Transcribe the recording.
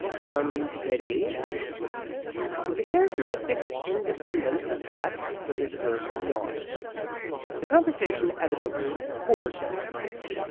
"Come, kitty." With the characteristic independence of cats, the visitor yawned. The conversation evidently bored him.